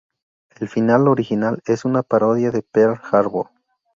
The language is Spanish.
El final original es una parodia de Pearl Harbor.